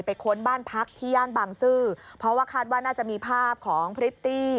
ค้นบ้านพักที่ย่านบางซื่อเพราะว่าคาดว่าน่าจะมีภาพของพริตตี้